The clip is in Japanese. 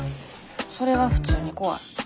それは普通に怖い。